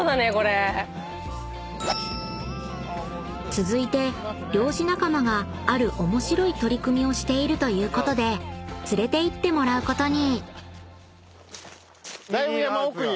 ［続いて漁師仲間がある面白い取り組みをしているということで連れていってもらうことに］